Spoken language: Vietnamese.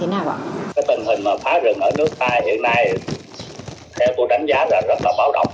tình hình phá rừng ở nước ta hiện nay theo tôi đánh giá là rất là bão động